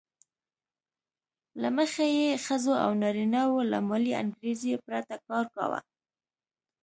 له مخې یې ښځو او نارینه وو له مالي انګېزې پرته کار کاوه